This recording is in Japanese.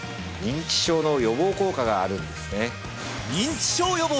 認知症の予防効果があるんですね